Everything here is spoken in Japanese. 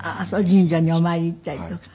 神社にお参り行ったりとか。